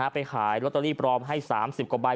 ไปขายลอตเตอรี่ปลอมให้๓๐กว่าใบ